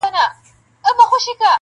هغه ستا د ابا مېنه تالا سوې٫